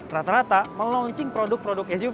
rata rata melaunching produk produk esg